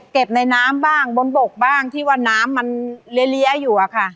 ในน้ำบ้างบนบกบ้างที่ว่าน้ำมันเลี้ยอยู่อะค่ะ